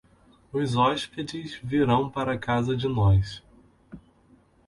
Os hóspedes virão para casa de nós.